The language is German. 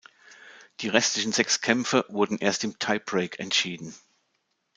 Die restlichen sechs Kämpfe wurden erst im Tiebreak entschieden.